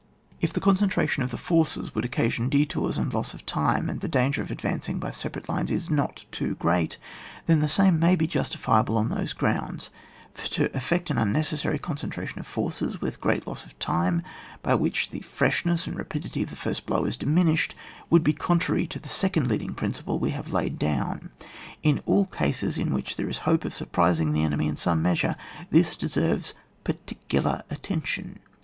If the concentration of the forces would occasion detours and loss of time, and the danger of advancing by separate lines is not too great, then the same may be justifiable on those grounds ; for to effect an unnecessary concentration of forces, with great loss of time, by which the freshness and rapidity of the first blow is diminished, wotdd be contrary to the second leading principle we have laid down. In all cases in which there is a hope of surprising the enemy in some measure, this deserves particular attention.